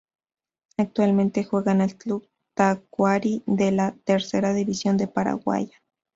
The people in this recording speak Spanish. Actualmente juega en el club Tacuary de la Tercera División de Paraguay.